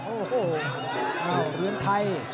โอ้โหเอ้าเตือนไทย